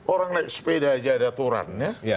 orang naik sepeda aja ada aturan ya